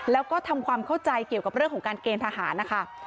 แล้วก็ทำความเข้าใจเกี่ยวกับเรื่องของการเกณฑ์ทหารนะคะ